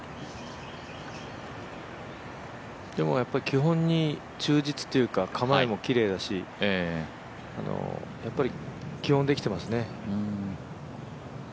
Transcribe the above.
基本に忠実というか構えもきれいだし、やっぱり、基本できてますね。